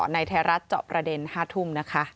ในไทรรัฐเจาะประเด็น๕ทุ่ม